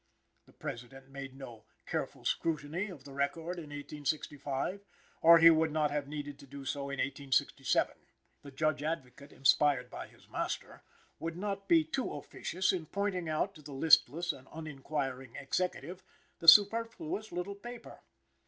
The President made no "careful scrutiny" of the record in 1865, or he would not have needed to do so in 1867. The Judge Advocate, inspired by his master, would not be too officious in pointing out to the listless and uninquiring Executive the superfluous little paper.